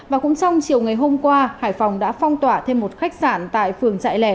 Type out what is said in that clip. và cũng trong chiều ngày hôm qua hải phòng đã phong tỏa thêm một khách sạn tại phường trại lẻ